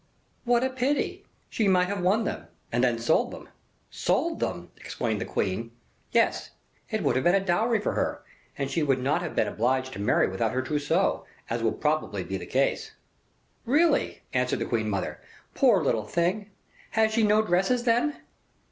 "What a pity! she might have won them, and then sold them." "Sold them!" exclaimed the queen. "Yes; it would have been a dowry for her, and she would not have been obliged to marry without her trousseau, as will probably be the case." "Really," answered the queen mother, "poor little thing: has she no dresses, then?"